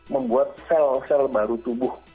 membuat sel sel baru tubuh